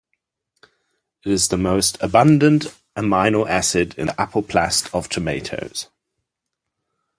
It is the most abundant amino acid in the apoplast of tomatoes.